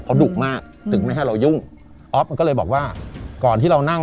เขาดุมากถึงไม่ให้เรายุ่งออฟมันก็เลยบอกว่าก่อนที่เรานั่ง